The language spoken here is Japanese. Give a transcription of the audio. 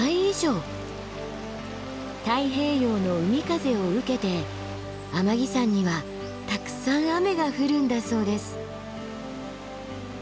太平洋の海風を受けて天城山にはたくさん雨が降るんだそうです。